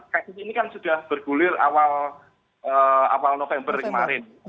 kasus ini kan sudah bergulir awal november kemarin